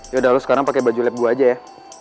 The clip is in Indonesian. ya udah lo sekarang pake baju lab gua aja ya